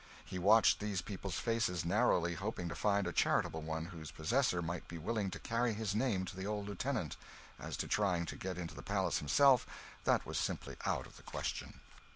He watched these people's faces narrowly, hoping to find a charitable one whose possessor might be willing to carry his name to the old lieutenant as to trying to get into the palace himself, that was simply out of the question.